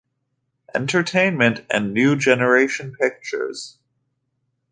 Entertainment and New Generation Pictures.